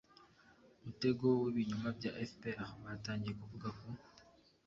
mutego w'ibinyoma bya fpr batangiye kuvuga ku